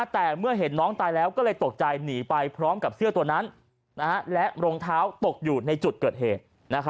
แต่เมื่อเห็นน้องตายแล้วก็เลยตกใจหนีไปพร้อมกับเสื้อตัวนั้นและรองเท้าตกอยู่ในจุดเกิดเหตุ